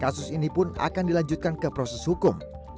kasus ini pun akan dilanjutkan ke proses hukum